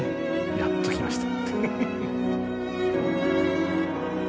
やっときました。